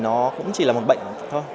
nó cũng chỉ là một bệnh thôi